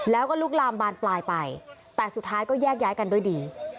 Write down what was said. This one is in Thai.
แล้วก็ลุกลามบานปลายไปแต่สุดท้ายก็แยกย้ายกันด้วยดี